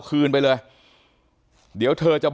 ขอบคุณมากครับขอบคุณมากครับ